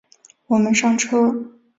我们上车